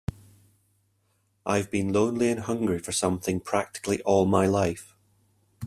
I've been lonely and hungry for something practically all my life.